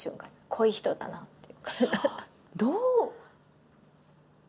濃い人だなって。